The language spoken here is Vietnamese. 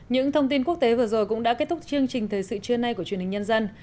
những thông tin quốc tế vừa rồi cũng đã kết thúc chương trình thời sự trưa nay của truyền hình nhân dân